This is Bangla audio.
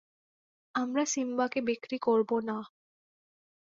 আমরা সিম্বাকে বিক্রি করব না।